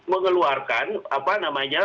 mengeluarkan apa namanya